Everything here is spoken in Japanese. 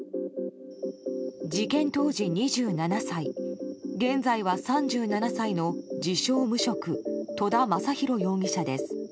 事件当時２７歳現在は３７歳の自称・無職戸田昌宏容疑者です。